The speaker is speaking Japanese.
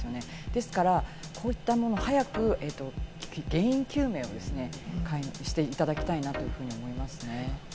ですから、こういったものを早く原因究明をですね、早くしていただきたいなというふうに思いますね。